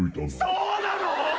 そうなの！？